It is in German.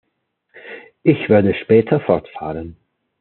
Ich werde später fortfahren.